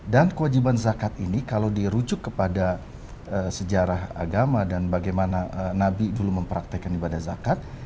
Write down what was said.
dan kewajiban zakat ini kalau dirucuk kepada sejarah agama dan bagaimana nabi dulu mempraktekkan ibadah zakat